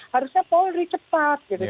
harusnya polri cepat gitu